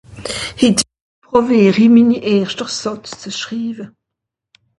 Het well i pràwiara, mina erschta Sàtz zu schriwa.